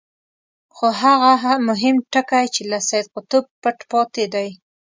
خو هغه مهم ټکی چې له سید قطب پټ پاتې دی.